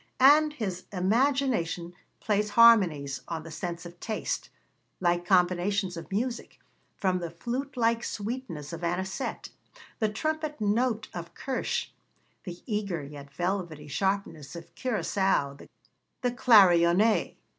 And his imagination plays harmonies on the sense of taste, like combinations of music, from the flute like sweetness of anisette, the trumpet note of kirsch, the eager yet velvety sharpness of curaçao, the clarionet.